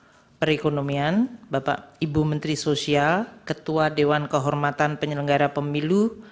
menteri perekonomian bapak ibu menteri sosial ketua dewan kehormatan penyelenggara pemilu